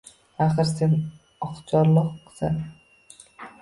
Axir, sen — oqcharloqsan!